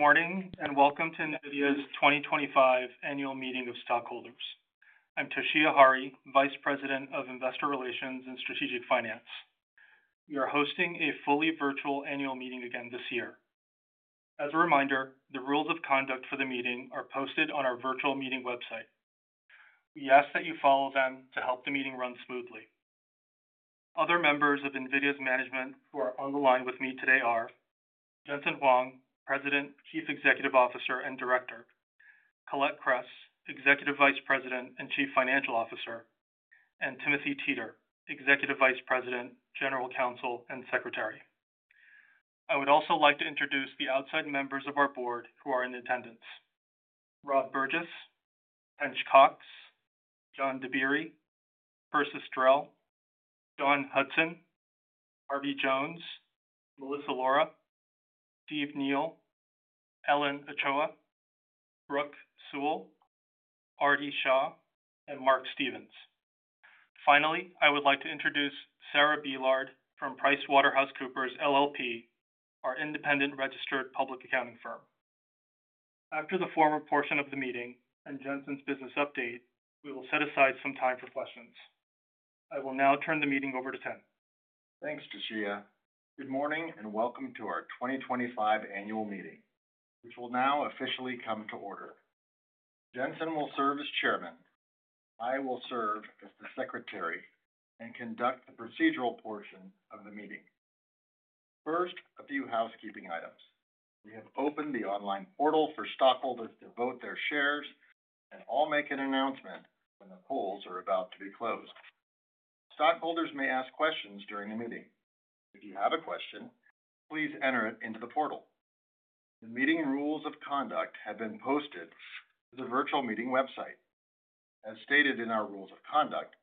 Good morning and welcome to NVIDIA's 2025 Annual Meeting of Stockholders. I'm Toshiya Hari, Vice President of Investor Relations and Strategic Finance. We are hosting a fully virtual annual meeting again this year. As a reminder, the rules of conduct for the meeting are posted on our virtual meeting website. We ask that you follow them to help the meeting run smoothly. Other members of NVIDIA's management who are on the line with me today are Jensen Huang, President, Chief Executive Officer, and Director; Colette Kress, Executive Vice President and Chief Financial Officer; and Timothy Teter, Executive Vice President, General Counsel, and Secretary. I would also like to introduce the Outside Members of our Board who are in attendance: Rob Burgess, Tench Coxe, John Dabiri, Persis Drell, Dawn Hutson, Harvey Jones, Melissa Lora, Steve Neal, Ellen Ochoa, Brooke Seawell, Aarti Shah, and Mark Stevens. Finally, I would like to introduce Sarah Beelard from PricewaterhouseCoopers LLP, our independent registered public accounting firm. After the former portion of the meeting and Jensen's business update, we will set aside some time for questions. I will now turn the meeting over to Tim. Thanks, Toshiya. Good morning and welcome to our 2025 Annual Meeting, which will now officially come to order. Jensen will serve as Chairman. I will serve as the Secretary and conduct the procedural portion of the meeting. First, a few housekeeping items. We have opened the online portal for stockholders to vote their shares and I will make an announcement when the polls are about to be closed. Stockholders may ask questions during the meeting. If you have a question, please enter it into the portal. The meeting rules of conduct have been posted to the virtual meeting website. As stated in our rules of conduct,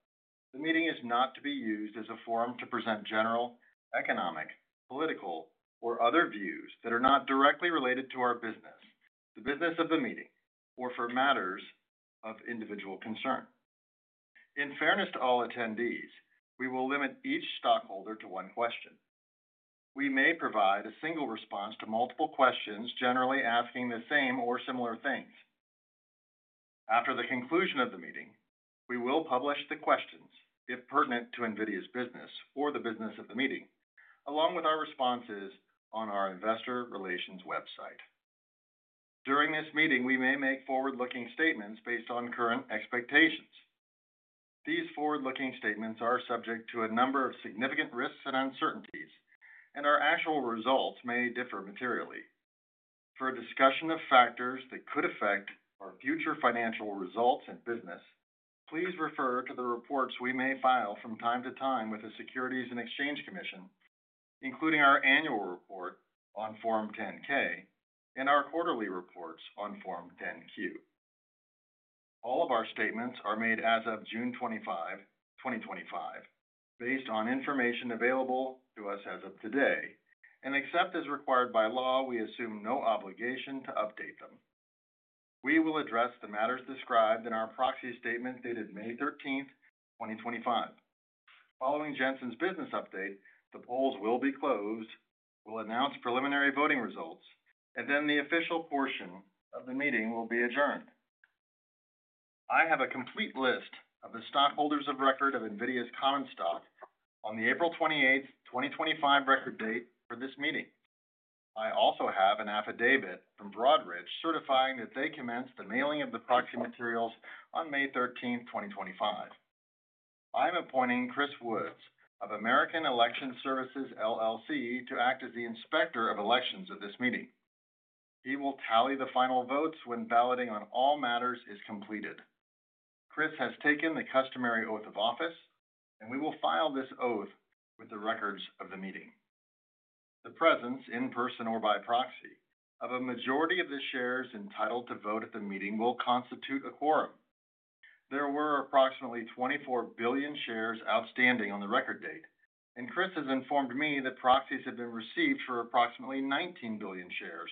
the meeting is not to be used as a forum to present general, economic, political, or other views that are not directly related to our business, the business of the meeting, or for matters of individual concern. In fairness to all attendees, we will limit each stockholder to one question. We may provide a single response to multiple questions generally asking the same or similar things. After the conclusion of the meeting, we will publish the questions, if pertinent to NVIDIA's business or the business of the meeting, along with our responses on our Investor Relations website. During this meeting, we may make forward-looking statements based on current expectations. These forward-looking statements are subject to a number of significant risks and uncertainties, and our actual results may differ materially. For a discussion of factors that could affect our future financial results and business, please refer to the reports we may file from time to time with the Securities and Exchange Commission, including our annual report on Form 10-K and our quarterly reports on Form 10-Q. All of our statements are made as of June 25, 2025, based on information available to us as of today, and except as required by law, we assume no obligation to update them. We will address the matters described in our proxy statement dated May 13, 2025. Following Jensen's business update, the polls will be closed, we'll announce preliminary voting results, and then the official portion of the meeting will be adjourned. I have a complete list of the stockholders of record of NVIDIA's common stock on the April 28, 2025, record date for this meeting. I also have an affidavit from Broadridge certifying that they commenced the mailing of the proxy materials on May 13, 2025. I'm appointing Chris Woods of American Election Services to act as the inspector of elections at this meeting. He will tally the final votes when balloting on all matters is completed. Chris has taken the customary oath of office, and we will file this oath with the records of the meeting. The presence, in person or by proxy, of a majority of the shares entitled to vote at the meeting will constitute a quorum. There were approximately 24 billion shares outstanding on the record date, and Chris has informed me that proxies have been received for approximately 19 billion shares,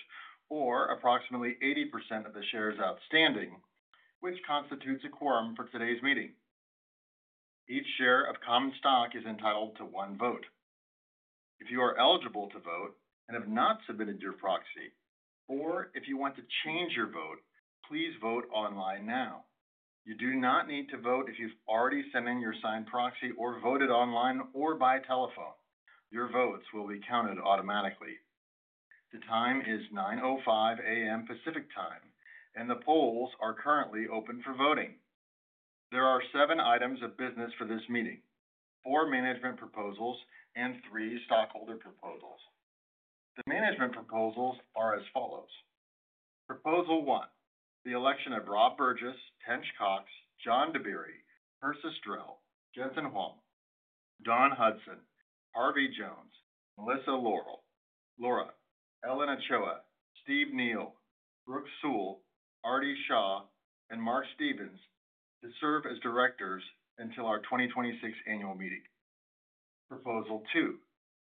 or approximately 80% of the shares outstanding, which constitutes a quorum for today's meeting. Each share of common stock is entitled to one vote. If you are eligible to vote and have not submitted your proxy, or if you want to change your vote, please vote online now. You do not need to vote if you've already sent in your signed proxy or voted online or by telephone. Your votes will be counted automatically. The time is 9:05 A.M. Pacific time, and the polls are currently open for voting. There are seven items of business for this meeting: four management proposals and three stockholder proposals. The management proposals are as follows: Proposal One: The election of Rob Burgess, Tench Coxe, John Dabiri, Persis Drell, Jensen Huang, Dawn Hutson, Harvey Jones, Melissa Lora, Ellen Ochoa, Steve Neal, Brooke Seawell, Aarti Shah, and Mark Stevens to serve as Directors until our 2026 Annual Meeting. Proposal Two: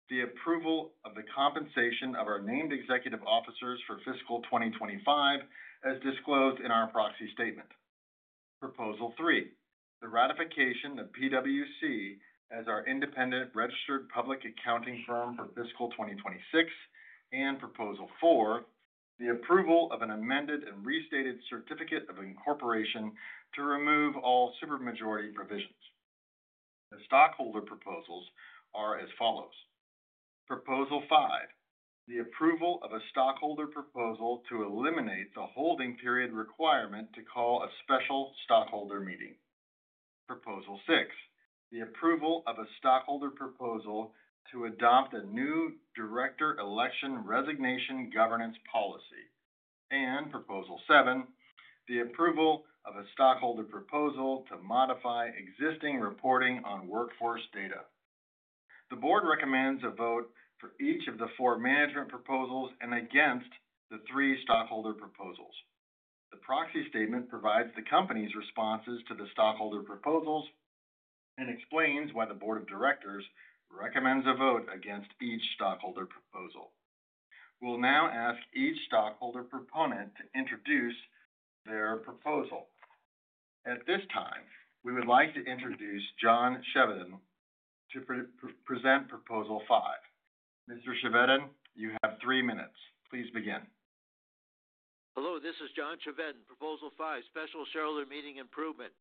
The approval of the compensation of our named executive officers for Fiscal Year Year 2025, as disclosed in our proxy statement. Proposal Three: The ratification of PricewaterhouseCoopers LLP as our independent registered public accounting firm for Fiscal Year Year 2026. Proposal Four: The approval of an amended and restated certificate of incorporation to remove all supermajority provisions. The stockholder proposals are as follows. Proposal Five: The approval of a stockholder proposal to eliminate the holding period requirement to call a special stockholder meeting. Proposal Six: The approval of a stockholder proposal to adopt a new Director Election Resignation Governance Policy. Proposal Seven: The approval of a stockholder proposal to modify existing reporting on workforce data. The Board recommends a vote for each of the four management proposals and against the three stockholder proposals. The proxy statement provides the company's responses to the stockholder proposals and explains why the Board of Directors recommends a vote against each stockholder proposal. We'll now ask each stockholder proponent to introduce their proposal. At this time, we would like to introduce John Chevedden to present Proposal Five. Mr. Chevedden, you have three minutes. Please begin. Hello, this is John Chevedden. Proposal Five: Special shareholder meeting improvement.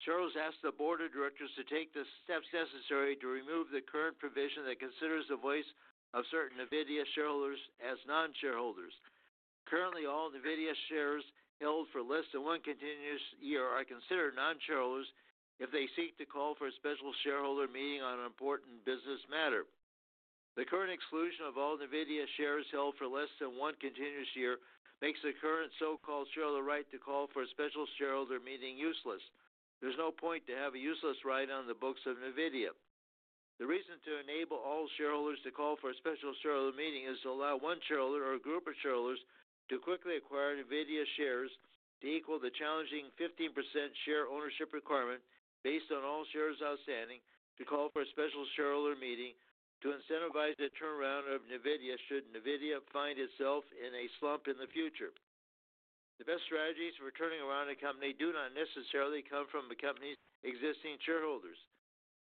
Charles, ask the Board of Directors to take the steps necessary to remove the current provision that considers the voice of certain NVIDIA shareholders as non-shareholders. Currently, all NVIDIA shares held for less than one continuous year are considered non-shareholders if they seek to call for a special shareholder meeting on an important business matter. The current exclusion of all NVIDIA shares held for less than one continuous year makes the current so-called shareholder right to call for a special shareholder meeting useless. There's no point to have a useless right on the books of NVIDIA. The reason to enable all shareholders to call for a special shareholder meeting is to allow one shareholder or a group of shareholders to quickly acquire NVIDIA shares to equal the challenging 15% share ownership requirement based on all shares outstanding, to call for a special shareholder meeting to incentivize a turnaround of NVIDIA should NVIDIA find itself in a slump in the future. The best strategies for turning around a company do not necessarily come from the company's existing shareholders.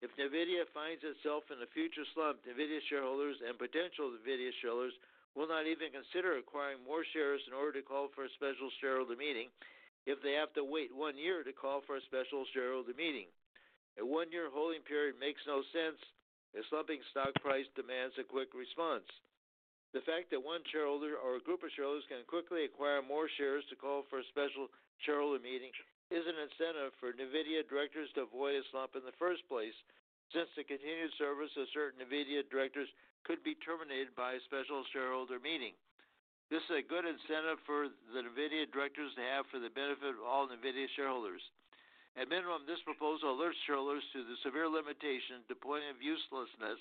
If NVIDIA finds itself in a future slump, NVIDIA shareholders and potential NVIDIA shareholders will not even consider acquiring more shares in order to call for a special shareholder meeting if they have to wait one year to call for a special shareholder meeting. A one-year holding period makes no sense if slumping stock price demands a quick response. The fact that one shareholder or a group of shareholders can quickly acquire more shares to call for a special shareholder meeting is an incentive for NVIDIA Directors to avoid a slump in the first place, since the continued service of certain NVIDIA Directors could be terminated by a special shareholder meeting. This is a good incentive for the NVIDIA Directors to have for the benefit of all NVIDIA shareholders. At minimum, this proposal alerts shareholders to the severe limitation to the point of uselessness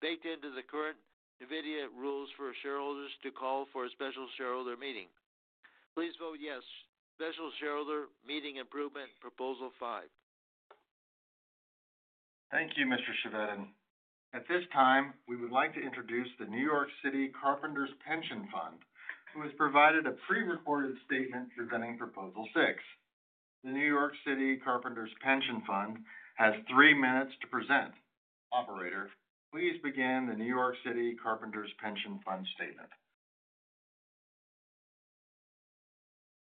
baked into the current NVIDIA rules for shareholders to call for a special shareholder meeting. Please vote yes, Special Shareholder Meeting Improvement, Proposal Five. Thank you, Mr. Chevdon. At this time, we would like to introduce the New York City Carpenters Pension Fund, who has provided a prerecorded statement presenting Proposal Six. The New York City Carpenters Pension Fund has three minutes to present. Operator, please begin the New York City Carpenters Pension Fund statement.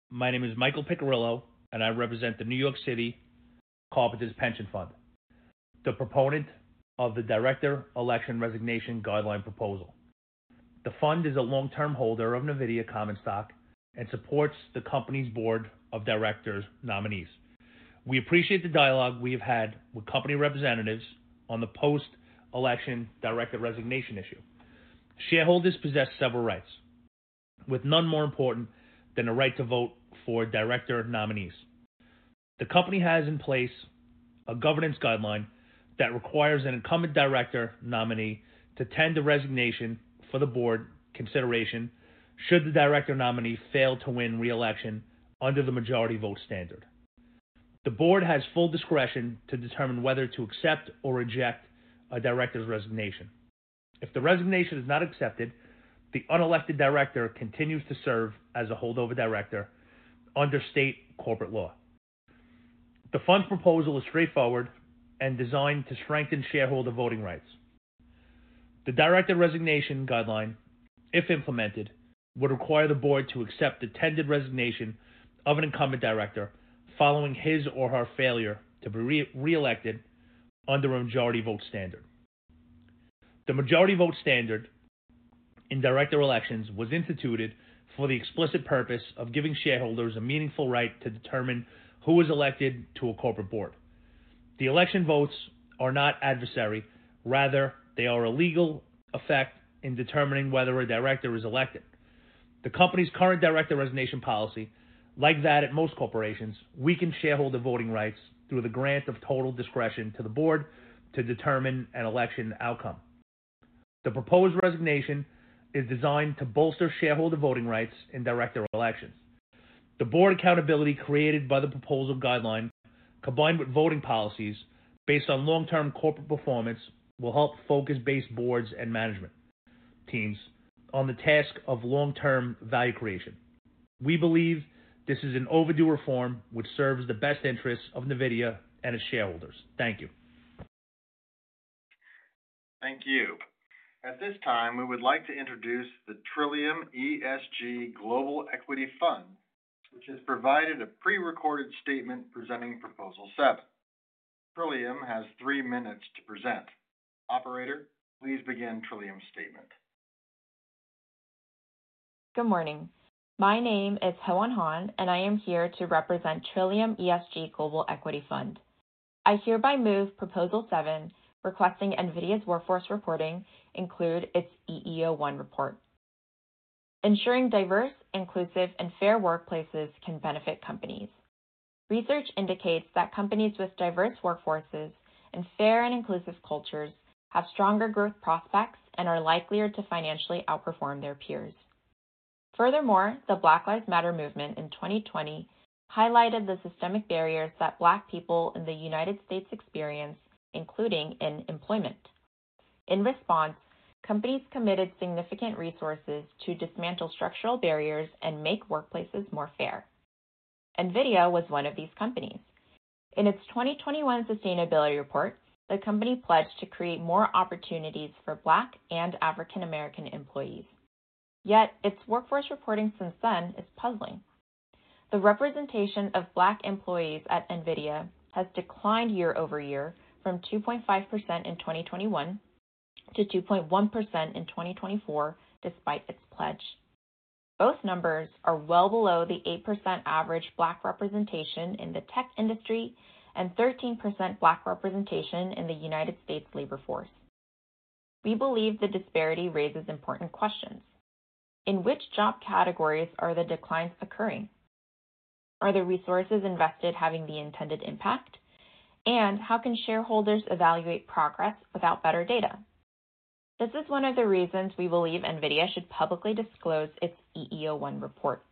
My name is Michael Piccirillo, and I represent the New York City Carpenters Pension Fund, the proponent of the Director Election Resignation Guideline proposal. The fund is a long-term holder of NVIDIA common stock and supports the company's Board of Directors nominees. We appreciate the dialogue we have had with company representatives on the post-election director resignation issue. Shareholders possess several rights, with none more important than a right to vote for nominees. The company has in place a governance guideline that requires an incumbent director nominee to tender resignation for the Board consideration should the director nominee fail to win reelection under the majority vote standard. The Board has full discretion to determine whether to accept or reject a director's resignation. If the resignation is not accepted, the unelected director continues to serve as a holdover director under state corporate law. The fund proposal is straightforward and designed to strengthen shareholder voting rights. The Director Resignation Guideline, if implemented, would require the Board to accept the tendered resignation of an incumbent director following his or her failure to be reelected under a majority vote standard. The majority vote standard in elections was instituted for the explicit purpose of giving shareholders a meaningful right to determine who is elected to a Corporate Board. The election votes are not adversary. Rather, they are a legal effect in determining whether a director is elected. The company's current Director Resignation Policy, like that at most corporations, weakens shareholder voting rights through the grant of total discretion to the Board to determine an election outcome. The proposed resignation is designed to bolster shareholder voting rights in director elections. The Board accountability created by the proposal guideline, combined with voting policies based on long-term corporate performance, will help focus-based Boards and management teams on the task of long-term value creation. We believe this is an overdue reform which serves the best interests of NVIDIA and its shareholders. Thank you. Thank you. At this time, we would like to introduce the Trillium ESG Global Equity Fund, which has provided a prerecorded statement presenting Proposal Seven. Trillium has three minutes to present. Operator, please begin Trillium's statement. Good morning. My name is Hyewon Han, and I am here to represent Trillium ESG Global Equity Fund. I hereby move Proposal Seven, requesting NVIDIA's workforce reporting include its EEO-1 report. Ensuring diverse, inclusive, and fair workplaces can benefit companies. Research indicates that companies with diverse workforces and fair and inclusive cultures have stronger growth prospects and are likelier to financially outperform their peers. Furthermore, the Black Lives Matter movement in 2020 highlighted the systemic barriers that Black people in the United States experience, including in employment. In response, companies committed significant resources to dismantle structural barriers and make workplaces more fair. NVIDIA was one of these companies. In its 2021 sustainability report, the company pledged to create more opportunities for Black and African-American employees. Yet, its workforce reporting since then is puzzling. The representation of Black employees at NVIDIA has declined year-over-year, from 2.5% in 2021 to 2.1% in 2024, despite its pledge. Both numbers are well below the 8% average Black representation in the tech industry and 13% Black representation in the United States labor force. We believe the disparity raises important questions. In which job categories are the declines occurring? Are the resources invested having the intended impact? How can shareholders evaluate progress without better data? This is one of the reasons we believe NVIDIA should publicly disclose its EEO-1 report.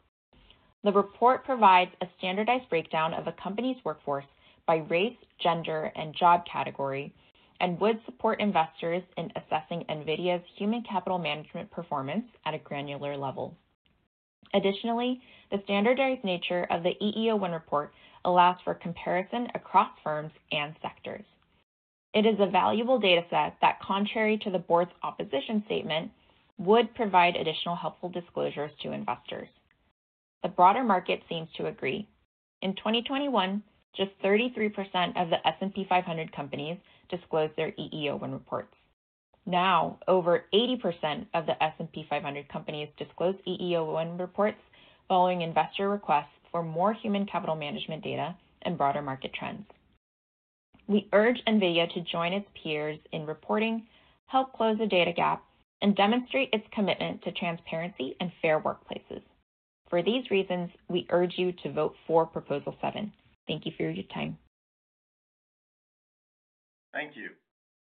The report provides a standardized breakdown of a company's workforce by race, gender, and job category and would support investors in assessing NVIDIA's human capital management performance at a granular level. Additionally, the standardized nature of the EEO-1 report allows for comparison across firms and sectors. It is a valuable data set that, contrary to the Board's opposition statement, would provide additional helpful disclosures to investors. The broader market seems to agree. In 2021, just 33% of the S&P 500 companies disclosed their EEO-1 reports. Now, over 80% of the S&P 500 companies disclose EEO-1 reports following investor requests for more human capital management data and broader market trends. We urge NVIDIA to join its peers in reporting, help close the data gap, and demonstrate its commitment to transparency and fair workplaces. For these reasons, we urge you to vote for Proposal Seven. Thank you for your time. Thank you.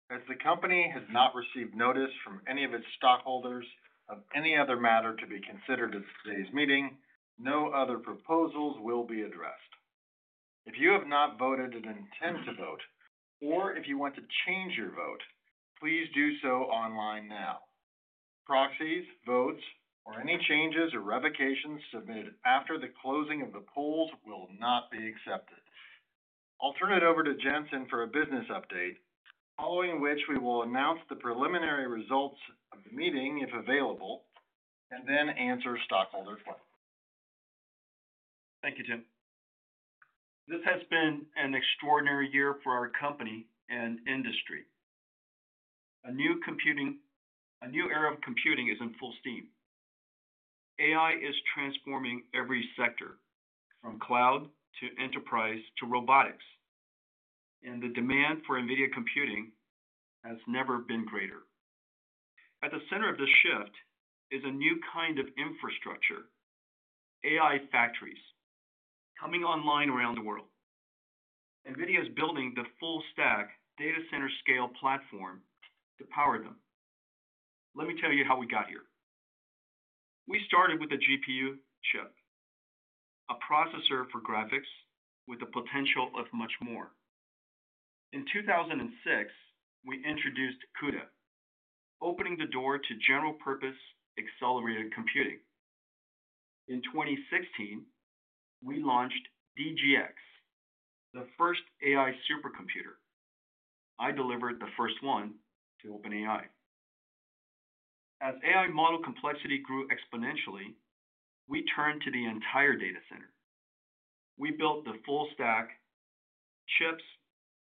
As the company has not received notice from any of its stockholders of any other matter to be considered at today's meeting, no other proposals will be addressed. If you have not voted and intend to vote, or if you want to change your vote, please do so online now. Proxies, votes, or any changes or revocations submitted after the closing of the polls will not be accepted. I'll turn it over to Jensen for a business update, following which we will announce the preliminary results of the meeting, if available, and then answer stockholder questions. Thank you, Tim. This has been an extraordinary year for our company and industry. A new era of computing is in full steam. AI is transforming every sector, from cloud to enterprise to robotics, and the demand for NVIDIA computing has never been greater. At the center of this shift is a new kind of infrastructure: AI factories coming online around the world. NVIDIA is building the full-stack, data-center-scale platform to power them. Let me tell you how we got here. We started with a GPU chip, a processor for graphics with the potential of much more. In 2006, we introduced CUDA, opening the door to general-purpose accelerated computing. In 2016, we launched DGX-1, the first AI supercomputer. I delivered the first one to OpenAI. As AI model complexity grew exponentially, we turned to the entire data center. We built the full-stack: chips,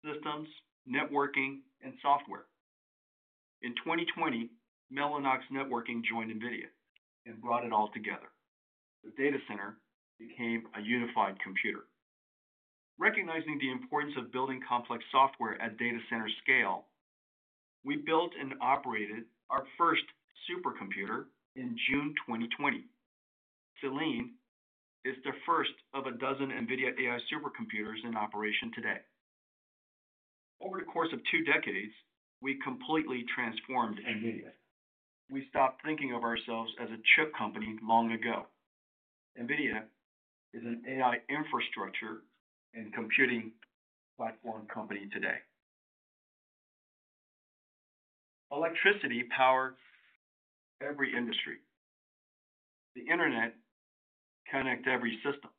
systems, networking, and software. In 2020, Mellanox Networking joined NVIDIA and brought it all together. The data center became a unified computer. Recognizing the importance of building complex software at data center scale, we built and operated our first supercomputer in June 2020. Selene is the first of a dozen NVIDIA AI supercomputers in operation today. Over the course of two decades, we completely transformed NVIDIA. We stopped thinking of ourselves as a chip company long ago. NVIDIA is an AI infrastructure and computing platform company today. Electricity powers every industry. The internet connects every system.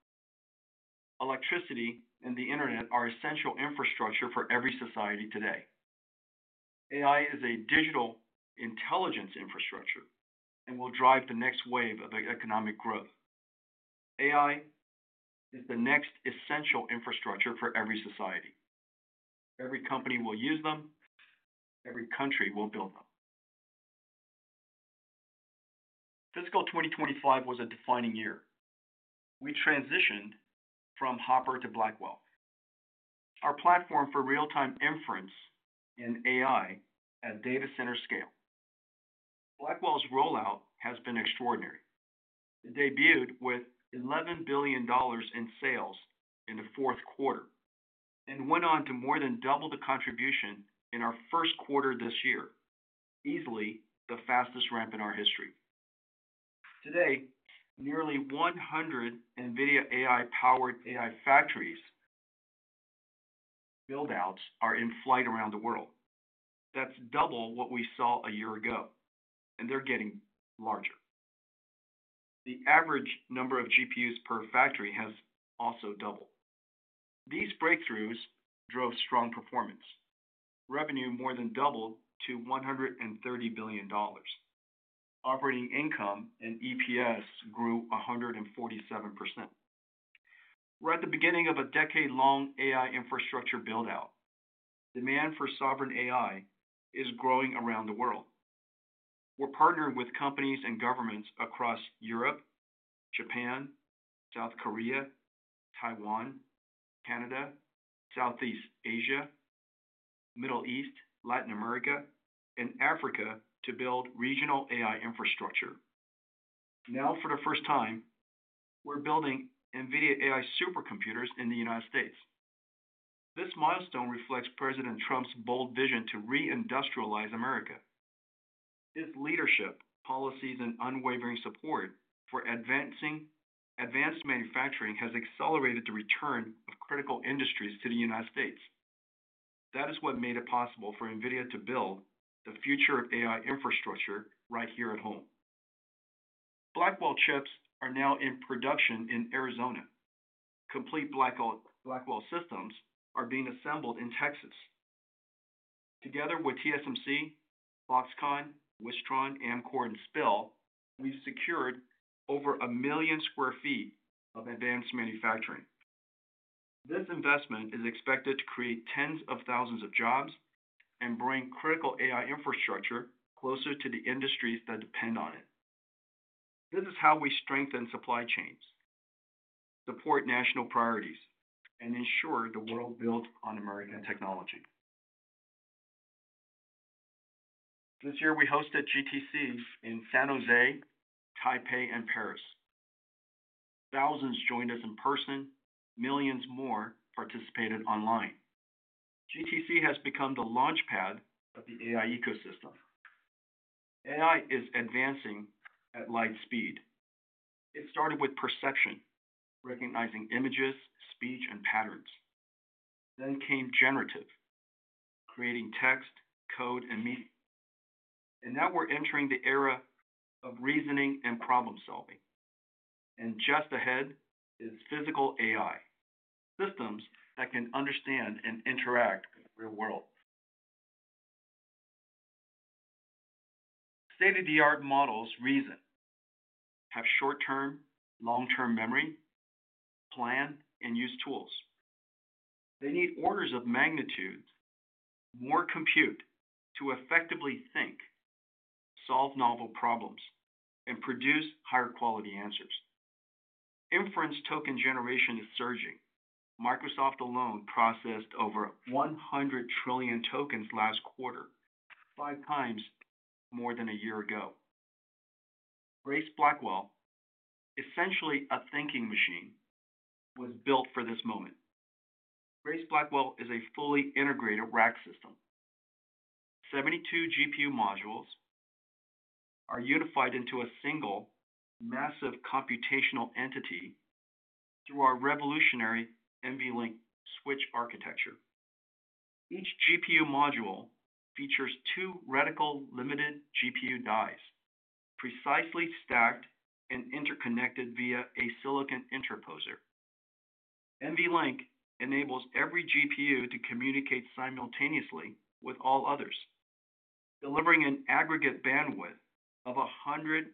Electricity and the internet are essential infrastructure for every society today. AI is a digital intelligence infrastructure and will drive the next wave of economic growth. AI is the next essential infrastructure for every society. Every company will use them. Every country will build them. Fiscal Year Year 2025 was a defining year. We transitioned from Hopper to Blackwell. Our platform for real-time inference and AI at data center scale. Blackwell's rollout has been extraordinary. It debuted with $11 billion in sales in the fourth quarter and went on to more than double the contribution in our first quarter this year, easily the fastest ramp in our history. Today, nearly 100 NVIDIA AI-powered AI factories buildouts are in flight around the world. That's double what we saw a year ago, and they're getting larger. The average number of GPUs per factory has also doubled. These breakthroughs drove strong performance. Revenue more than doubled to $130 billion. Operating income and EPS grew 147%. We're at the beginning of a decade-long AI infrastructure buildout. Demand for sovereign AI is growing around the world. We're partnering with companies and governments across Europe, Japan, South Korea, Taiwan, Canada, Southeast Asia, the Middle East, Latin America, and Africa to build regional AI infrastructure. Now, for the first time, we're building NVIDIA AI supercomputers in the United States. This milestone reflects President Trump's bold vision to reindustrialize America. His leadership, policies, and unwavering support for advanced manufacturing have accelerated the return of critical industries to the United States. That is what made it possible for NVIDIA to build the future of AI infrastructure right here at home. Blackwell chips are now in production in Arizona. Complete Blackwell systems are being assembled in Texas. Together with TSMC, Foxconn, Wistron, Amkor, and SPIL, we've secured over 1 million sq ft of advanced manufacturing. This investment is expected to create tens of thousands of jobs and bring critical AI infrastructure closer to the industries that depend on it. This is how we strengthen supply chains, support national priorities, and ensure the world builds on American technology. This year, we hosted GTC in San Jose, Taipei, and Paris. Thousands joined us in person. Millions more participated online. GTC has become the launchpad of the AI ecosystem. AI is advancing at light speed. It started with perception, recognizing images, speech, and patterns. Then came generative, creating text, code, and meaning. Now we're entering the era of reasoning and problem-solving. Just ahead is physical AI systems that can understand and interact with the real world. State-of-the-art models reason, have short-term, long-term memory, plan, and use tools. They need orders of magnitude more compute to effectively think, solve novel problems, and produce higher-quality answers. Inference token generation is surging. Microsoft alone processed over 100 trillion tokens last quarter, five times more than a year ago. Grace Blackwell, essentially a thinking machine, was built for this moment. Grace Blackwell is a fully integrated rack system. Seventy-two GPU modules are unified into a single massive computational entity through our revolutionary NVLink switch architecture. Each GPU module features two reticle-limited GPU dies, precisely stacked and interconnected via a silicon interposer. NVLink enables every GPU to communicate simultaneously with all others, delivering an aggregate bandwidth of 130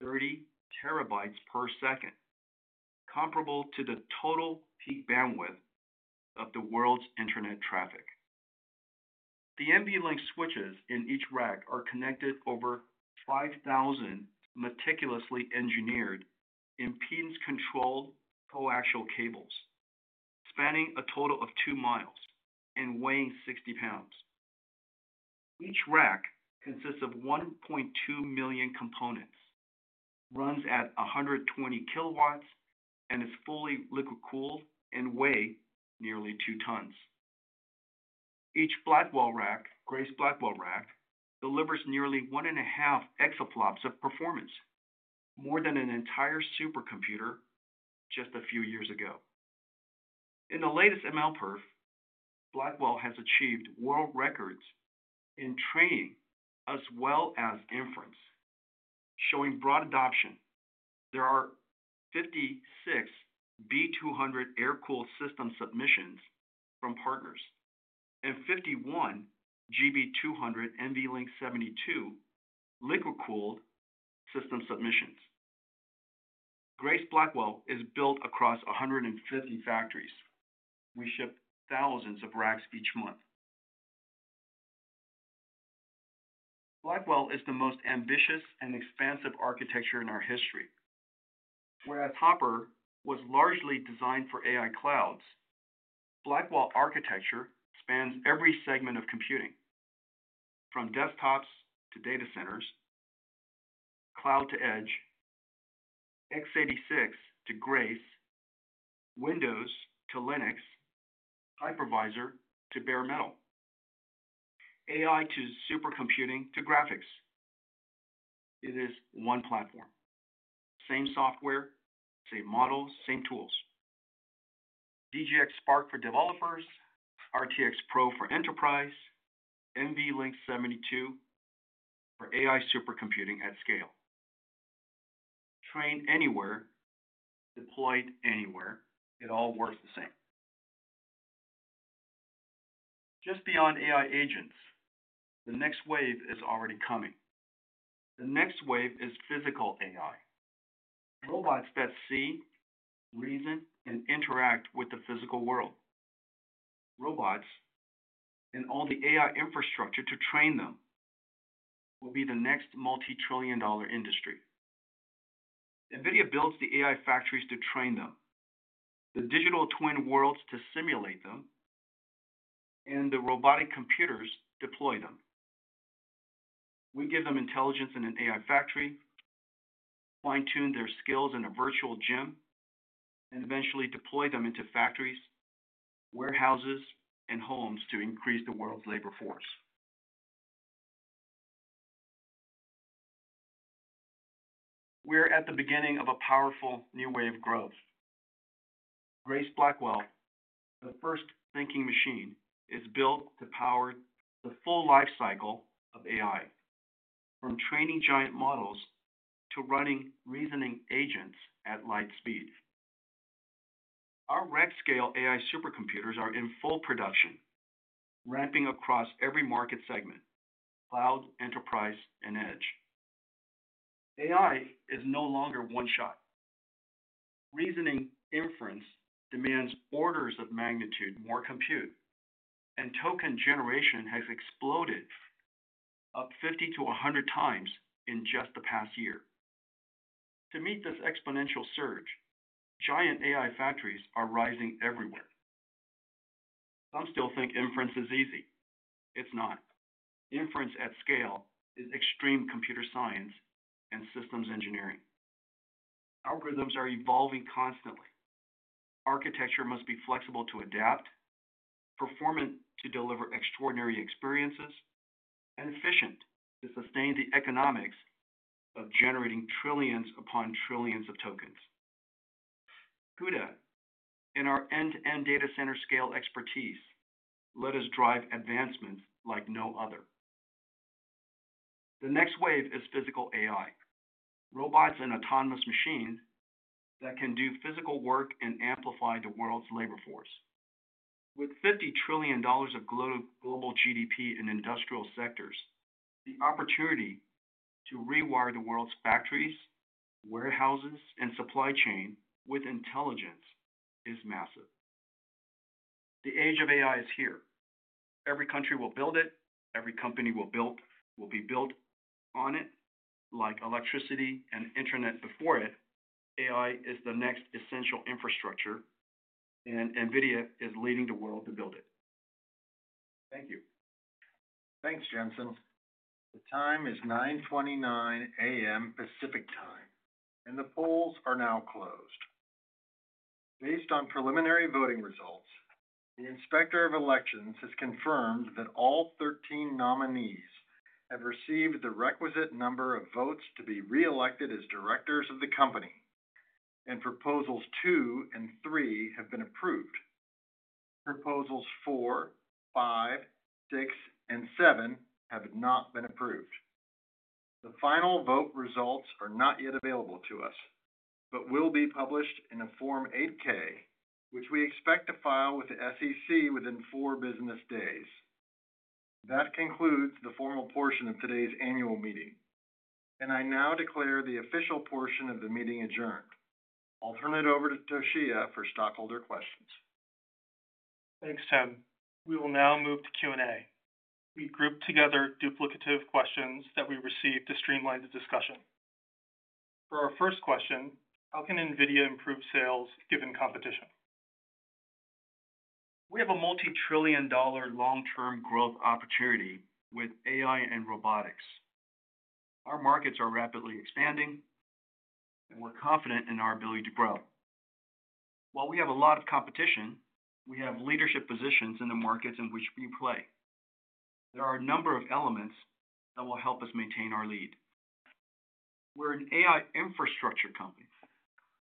TB per second, comparable to the total peak bandwidth of the world's internet traffic. The NVLink switches in each rack are connected over 5,000 meticulously engineered impedance-controlled coaxial cables, spanning a total of two miles and weighing 60 lbs. Each rack consists of 1.2 million components, runs at 120 KW, and is fully liquid-cooled and weighs nearly two tons. Each Blackwell rack, Grace Blackwell rack, delivers nearly 1 1/2 exaFLOPS of performance, more than an entire supercomputer just a few years ago. In the latest MLPerf, Blackwell has achieved world records in training as well as inference, showing broad adoption. There are 56 B200 air-cooled system submissions from partners and 51 GB200 NVL72 liquid-cooled system submissions. Grace Blackwell is built across 150 factories. We ship thousands of racks each month. Blackwell is the most ambitious and expansive architecture in our history. Whereas Hopper was largely designed for AI clouds, Blackwell architecture spans every segment of computing, from desktops to data centers, cloud to edge, x86 to Grace, Windows to Linux, Hypervisor to bare metal, AI to supercomputing to graphics. It is one platform. Same software, same models, same tools. NVIDIA GGX for developers, NVIDIA RTX Pro for enterprise, NVL72 for AI supercomputing at scale. Train anywhere, deploy anywhere, it all works the same. Just beyond AI agents, the next wave is already coming. The next wave is physical AI. Robots that see, reason, and interact with the physical world. Robots and all the AI infrastructure to train them will be the next multi-trillion-dollar industry. NVIDIA builds the AI factories to train them, the digital twin worlds to simulate them, and the robotic computers deploy them. We give them intelligence in an AI factory, fine-tune their skills in a virtual gym, and eventually deploy them into factories, warehouses, and homes to increase the world's labor force. We're at the beginning of a powerful new wave of growth. Grace Blackwell, the first thinking machine, is built to power the full lifecycle of AI, from training giant models to running reasoning agents at light speed. Our rack-scale AI supercomputers are in full production, ramping across every market segment: cloud, enterprise, and edge. AI is no longer one-shot. Reasoning inference demands orders of magnitude more compute, and token generation has exploded up 50-100 times in just the past year. To meet this exponential surge, giant AI factories are rising everywhere. Some still think inference is easy. It's not. Inference at scale is extreme computer science and systems engineering. Algorithms are evolving constantly. Architecture must be flexible to adapt, performant to deliver extraordinary experiences, and efficient to sustain the economics of generating trillions upon trillions of tokens. CUDA, in our end-to-end data center scale expertise, let us drive advancements like no other. The next wave is physical AI: robots and autonomous machines that can do physical work and amplify the world's labor force. With $50 trillion of global GDP in industrial sectors, the opportunity to rewire the world's factories, warehouses, and supply chain with intelligence is massive. The age of AI is here. Every country will build it. Every company will be built on it. Like electricity and internet before it, AI is the next essential infrastructure, and NVIDIA is leading the world to build it. Thank you. Thanks, Jensen. The time is 9:29 A.M. Pacific Time, and the polls are now closed. Based on preliminary voting results, the Inspector of Elections has confirmed that all 13 nominees have received the requisite number of votes to be re-elected as Directors of the company, and proposals two and three have been approved. Proposals four, five, six, and seven have not been approved. The final vote results are not yet available to us, but will be published in a Form 8K, which we expect to file with the U.S. Securities and Exchange Commission within four business days. That concludes the formal portion of today's annual meeting, and I now declare the official portion of the meeting adjourned. I'll turn it over to Toshiya for stockholder questions. Thanks, Tim. We will now move to Q&A. We grouped together duplicative questions that we received to streamline the discussion. For our first question, how can NVIDIA improve sales given competition? We have a multi-trillion-dollar long-term growth opportunity with AI and robotics. Our markets are rapidly expanding, and we're confident in our ability to grow. While we have a lot of competition, we have leadership positions in the markets in which we play. There are a number of elements that will help us maintain our lead. We're an AI infrastructure company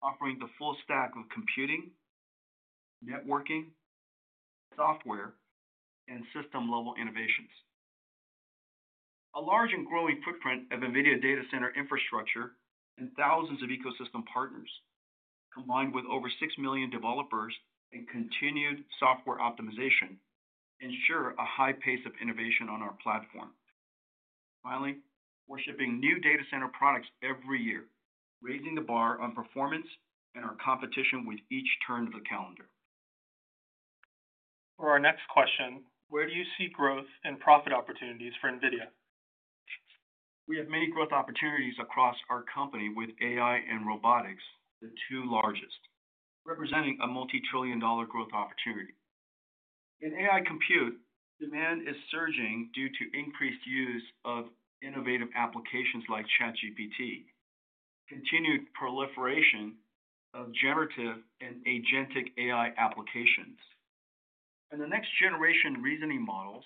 offering the full stack of computing, networking, software, and system-level innovations. A large and growing footprint of NVIDIA data center infrastructure and thousands of ecosystem partners, combined with over 6 million developers and continued software optimization, ensure a high pace of innovation on our platform. Finally, we're shipping new data center products every year, raising the bar on performance and our competition with each turn of the calendar. For our next question, where do you see growth and profit opportunities for NVIDIA? We have many growth opportunities across our company with AI and robotics, the two largest, representing a multi-trillion-dollar growth opportunity. In AI compute, demand is surging due to increased use of innovative applications like ChatGPT, continued proliferation of generative and agentic AI applications. The next generation reasoning models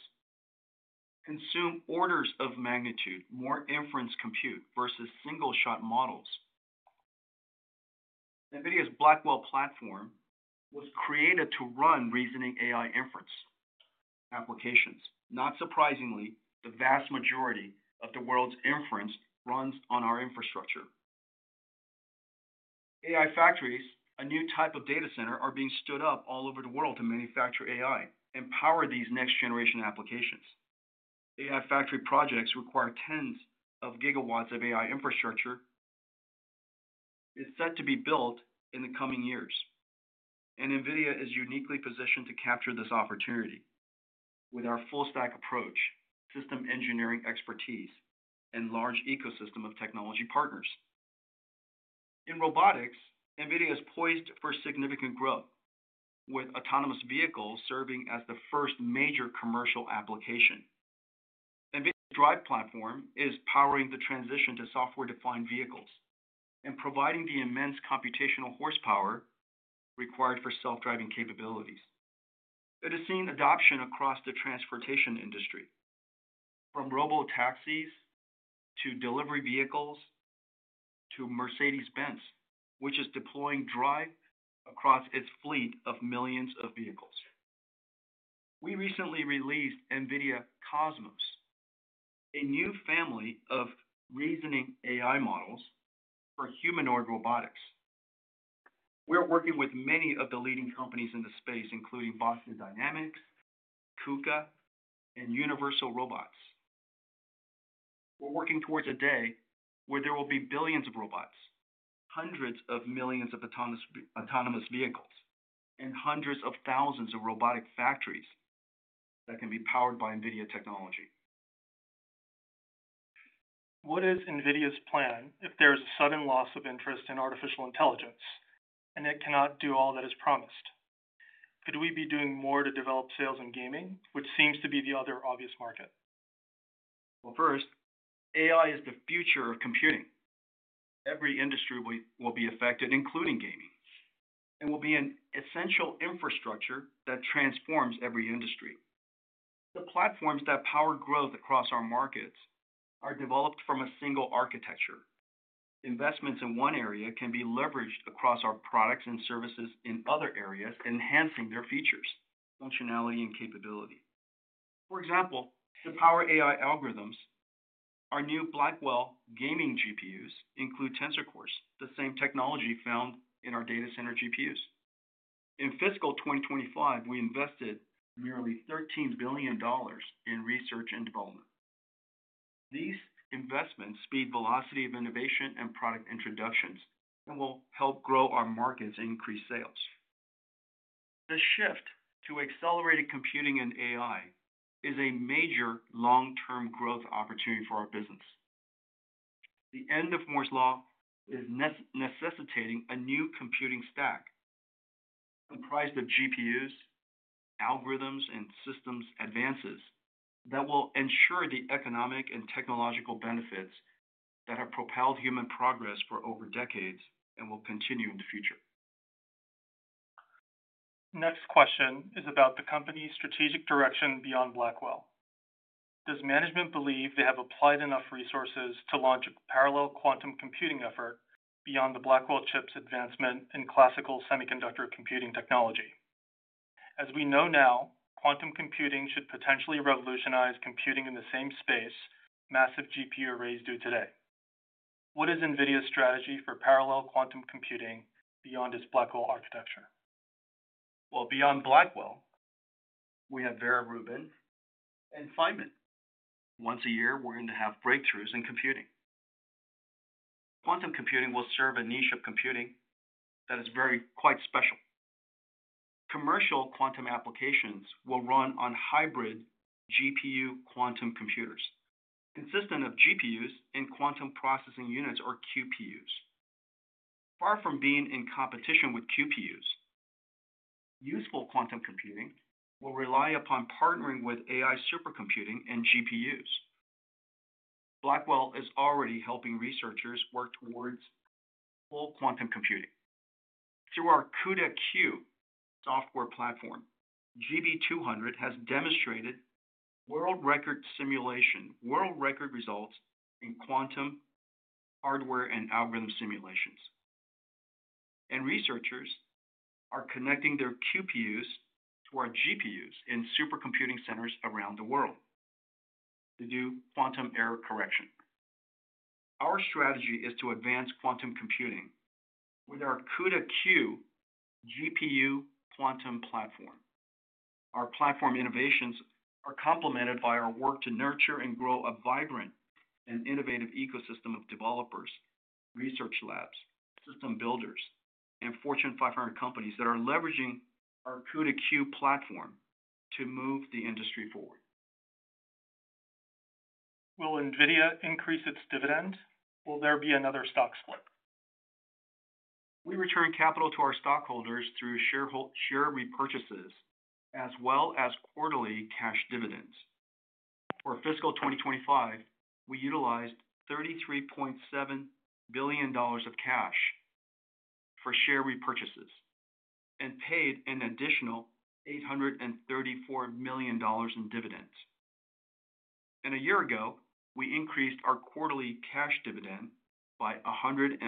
consume orders of magnitude more inference compute versus single-shot models. NVIDIA's Blackwell platform was created to run reasoning AI inference applications. Not surprisingly, the vast majority of the world's inference runs on our infrastructure. AI factories, a new type of data center, are being stood up all over the world to manufacture AI and power these next-generation applications. AI factory projects require tens of GW of AI infrastructure. It's set to be built in the coming years, and NVIDIA is uniquely positioned to capture this opportunity with our full-stack approach, system engineering expertise, and large ecosystem of technology partners. In robotics, NVIDIA is poised for significant growth, with autonomous vehicles serving as the first major commercial application. NVIDIA's Drive platform is powering the transition to software-defined vehicles and providing the immense computational horsepower required for self-driving capabilities. It has seen adoption across the transportation industry, from robo-taxis to delivery vehicles to Mercedes-Benz, which is deploying DRIVE across its fleet of millions of vehicles. We recently released NVIDIA Cosmos, a new family of reasoning AI models for humanoid robotics. We're working with many of the leading companies in the space, including Boston Dynamics, KUKA, and Universal Robots. We're working towards a day where there will be billions of robots, hundreds of millions of autonomous vehicles, and hundreds of thousands of robotic factories that can be powered by NVIDIA technology. What is NVIDIA's plan if there is a sudden loss of interest in artificial intelligence and it cannot do all that is promised? Could we be doing more to develop sales in gaming, which seems to be the other obvious market? First, AI is the future of computing. Every industry will be affected, including gaming, and will be an essential infrastructure that transforms every industry. The platforms that power growth across our markets are developed from a single architecture. Investments in one area can be leveraged across our products and services in other areas, enhancing their features, functionality, and capability. For example, to power AI algorithms, our new Blackwell gaming GPUs include Tensor Cores, the same technology found in our data center GPUs. In Fiscal Year 2025, we invested nearly $13 billion in research and development. These investments speed the velocity of innovation and product introductions and will help grow our markets and increase sales. The shift to accelerated computing and AI is a major long-term growth opportunity for our business. The end of Moore's Law is necessitating a new computing stack comprised of GPUs, algorithms, and systems advances that will ensure the economic and technological benefits that have propelled human progress for over decades and will continue in the future. Next question is about the company's strategic direction beyond Blackwell. Does management believe they have applied enough resources to launch a parallel quantum computing effort beyond the Blackwell chip's advancement in classical semiconductor computing technology? As we know now, quantum computing should potentially revolutionize computing in the same space massive GPU arrays do today. What is NVIDIA's strategy for parallel quantum computing beyond its Blackwell architecture? Beyond Blackwell, we have Vera Rubin and Feynman. Once a year, we're going to have breakthroughs in computing. Quantum computing will serve a niche of computing that is quite special. Commercial quantum applications will run on hybrid GPU quantum computers, consisting of GPUs and quantum processing units, or QPUs. Far from being in competition with QPUs, useful quantum computing will rely upon partnering with AI supercomputing and GPUs. Blackwell is already helping researchers work towards full quantum computing. Through our CUDA-Q software platform, GB200 has demonstrated world-record simulation, world-record results in quantum hardware and algorithm simulations. Researchers are connecting their QPUs to our GPUs in supercomputing centers around the world to do quantum error correction. Our strategy is to advance quantum computing with our CUDA-Q GPU quantum platform. Our platform innovations are complemented by our work to nurture and grow a vibrant and innovative ecosystem of developers, research labs, system builders, and Fortune 500 companies that are leveraging our CUDA-Q platform to move the industry forward. Will NVIDIA increase its dividend? Will there be another stock split? We return capital to our stockholders through share repurchases as well as quarterly cash dividends. For Fiscal Year 2025, we utilized $33.7 billion of cash for share repurchases and paid an additional $834 million in dividends. A year ago, we increased our quarterly cash dividend by 150%.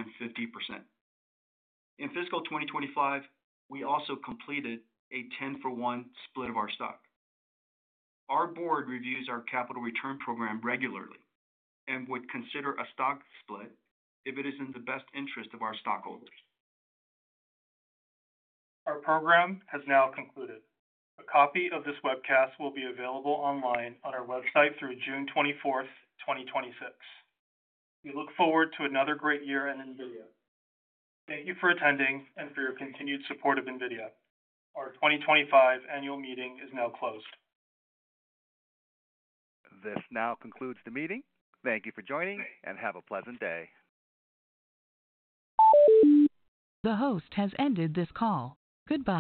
In Fiscal Year 2025, we also completed a 10-for-1 split of our stock. Our Board reviews our capital return program regularly and would consider a stock split if it is in the best interest of our stockholders. Our program has now concluded. A copy of this webcast will be available online on our website through June 24, 2026. We look forward to another great year at NVIDIA. Thank you for attending and for your continued support of NVIDIA. Our 2025 annual meeting is now closed. This now concludes the meeting. Thank you for joining, and have a pleasant day. The host has ended this call. Goodbye.